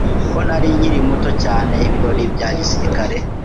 ko nari nkiri na muto cyane, ibirori bya gisirikare